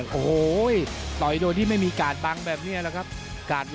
ชอห้าพระยักษ์